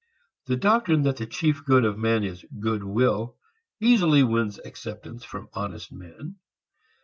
The doctrine that the chief good of man is good will easily wins acceptance from honest men.